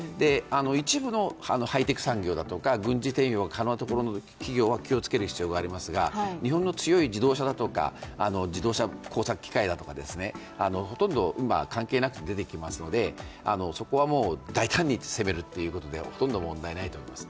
一部のハイテク産業だとか軍事転用が可能な企業は気をつける必要がありますが、日本の強い自動車だとか、自動車工作機械だとか、ほとんど今、関係なく出てきますのでそこはもう、大胆に攻めるということでほとんど問題ないと思います。